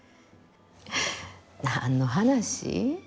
何の話？